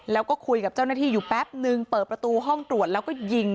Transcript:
แล้วก็คุยกับเจ้าหน้าที่อยู่แป๊บนึงเปิดประตูห้องตรวจแล้วก็ยิง